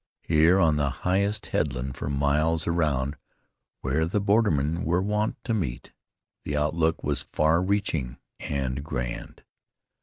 Here on the highest headland for miles around where the bordermen were wont to meet, the outlook was far reaching and grand.